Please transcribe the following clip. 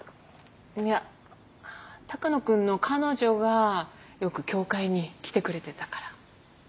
いや鷹野君の彼女がよく教会に来てくれてたから。